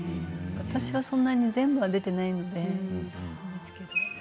私はそんなに全部は出ていないのであれですけれど。